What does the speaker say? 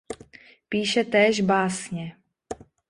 Píše též básně.